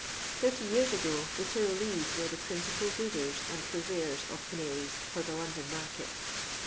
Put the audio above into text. Thirty years ago, the. Tyrolesc were the principal breeders and purveyors of canaries for the London market.